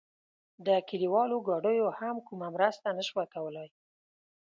د کلیوالو ګاډیو هم کومه مرسته نه شوه کولای.